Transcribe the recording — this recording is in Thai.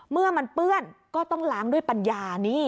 เมื่อมันเปื้อนก็ต้องล้างด้วยปัญญานี่